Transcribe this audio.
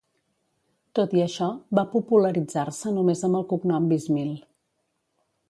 Tot i això, va popularitzar-se només amb el cognom Bismil.